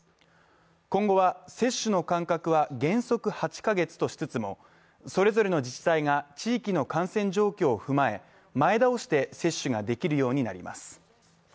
今後は接種の間隔は原則８カ月としつつも、それぞれの自治体が地域の感染状況を踏まえ前倒して接種ができるようになります。